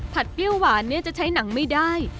เปรี้ยวหวานจะใช้หนังไม่ได้